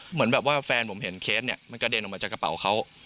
เหมือนแบบว่าแฟนผมเห็นเคสเนี่ยมันกระเด็นออกมาจากกระเป๋าเขา